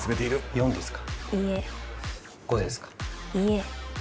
４ですか？